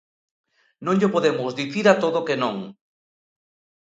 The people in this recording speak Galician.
Non lle podemos dicir a todo que non.